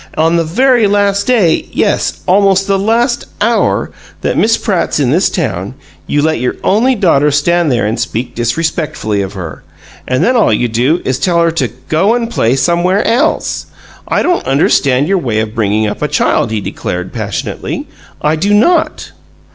On the very last day yes, almost the last hour that Miss Pratt's in this town, you let your only daughter stand there and speak disrespectfully of her and then all you do is tell her to 'go and play somewhere else'! I don't understand your way of bringing up a child," he declared, passionately. "I do NOT!"